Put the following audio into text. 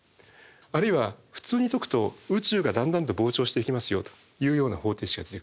あるいは普通に解くと宇宙がだんだんと膨張していきますよというような方程式が出てくる。